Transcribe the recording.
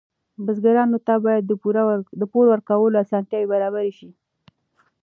بزګرانو ته باید د پور ورکولو اسانتیاوې برابرې شي.